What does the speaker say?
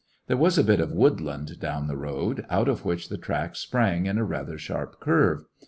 There was a bit of woodland down the road, out of which the tracks sprang in a rather sharp curve.